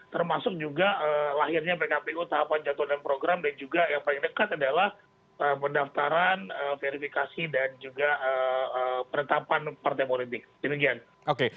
termasuk juga lahirnya pkpu tahapan jadwal dan program dan juga yang paling dekat adalah pendaftaran verifikasi dan juga penetapan partai politik